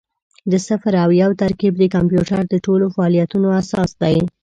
د صفر او یو ترکیب د کمپیوټر د ټولو فعالیتونو اساس دی.